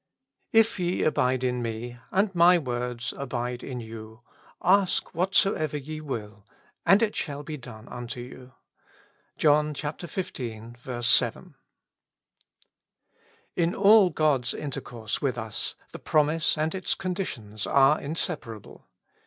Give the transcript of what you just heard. If ye abide in me^ and viy coords abide in you, ask what soever ye will, and it shall be done unto you. — ^JoHN xv. 7. IN all God's intercourse with us, the promise and its conditions are inseparable.